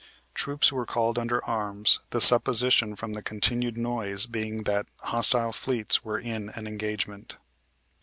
Troops were called under arms, the supposition from the continued noise being that hostile fleets were in an engagement.